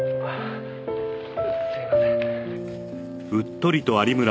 「すいません」